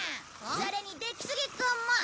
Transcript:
それに出木杉くんも。